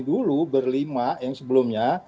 dulu berlima yang sebelumnya